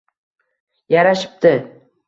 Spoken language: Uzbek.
Yarashibti!